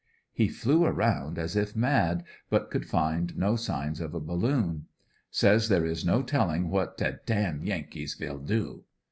He flew around as if mad, but could find no signs of a balloon. Says there is no telling what *'te tarn Yankee will do."